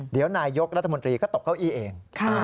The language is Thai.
เดี๋ยวนายยกรัฐมนตรีก็ตกเก้าอี้เอง